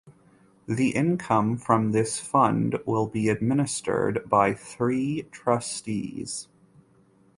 The income from this fund will be administered by three trustees.